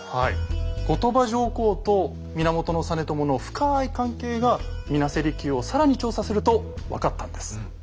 後鳥羽上皇と源実朝の深い関係が水無瀬離宮を更に調査すると分かったんです。